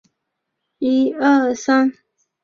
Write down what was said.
该频道为泉州市区第二个自办电视频道。